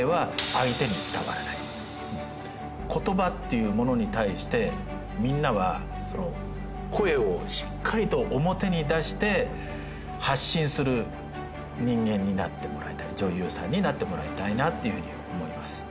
やはり多分やっぱりみんなは声をしっかりと表に出して発信する人間になってもらいたい女優さんになってもらいたいなっていうふうに思います